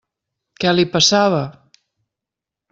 Què li passava?